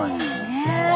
ねえ。